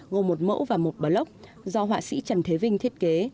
gồm một mẫu và một bờ lốc do họa sĩ trần thế vinh thiết kế